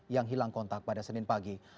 yang hilang kontak pada senin pagi